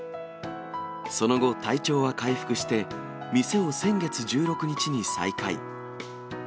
その後、体調は回復して、店を先月１６日に再開。